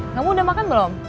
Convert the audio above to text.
kamu udah makan belom